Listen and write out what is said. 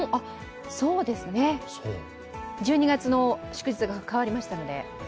そうですね、１２月の祝日が変わりましたので。